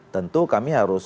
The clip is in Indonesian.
tentu kami harus